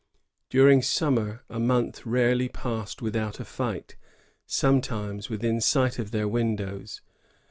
During summer, a month rarely passed without a fight, sometimes within sight of their windows.